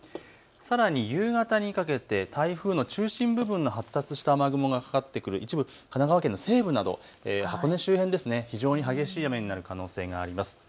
さらに夕方にかけて台風の中心部分の発達した雨雲がかかってくる神奈川県西部など箱根周辺、非常に激しい雨になる可能性があります。